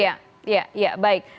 ya ya ya baik